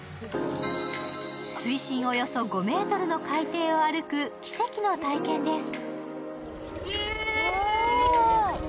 水深およそ５ｍの海底を歩く奇跡の体験です。